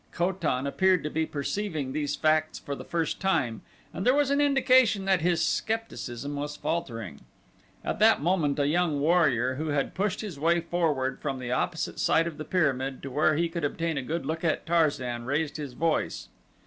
Ko tan appeared to be perceiving these facts for the first time and there was an indication that his skepticism was faltering. At that moment a young warrior who had pushed his way forward from the opposite side of the pyramid to where he could obtain a good look at Tarzan raised his voice.